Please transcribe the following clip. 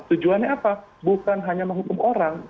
tujuannya apa bukan hanya menghukum orang